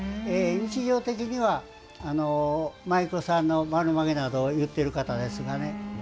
日常的には舞妓さんのまげなどを結ってる方ですが。